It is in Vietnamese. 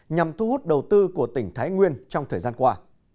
nhằm thu hút đầu tư của tỉnh thái nguyên trong thời gian qua